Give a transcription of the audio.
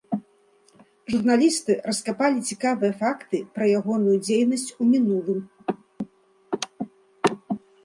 Журналісты раскапалі цікавыя факты пра ягоную дзейнасць у мінулым.